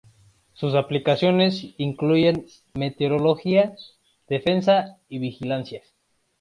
Sus aplicaciones incluyen meteorología, defensa y vigilancia.